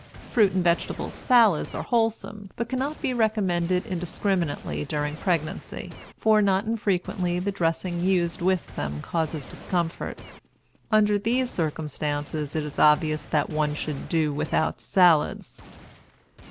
Fruit and vegetable salads are wholesome, but cannot be recommended indiscriminately during pregnancy, for not infrequently the dressing used with them causes discomfort. Under these circumstances it is obvious that one should do without salads.